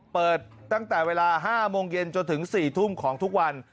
เปิดตั้งแต่เวลา๕โมงเย็นจนถึง๔ทุ่มของทุกวัน